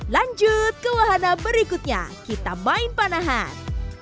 lanjut ke wahana berikutnya kita main panahan